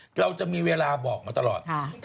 เราจะมีเวลาบอกมาตลอด